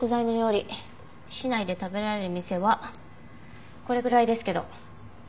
市内で食べられる店はこれぐらいですけど。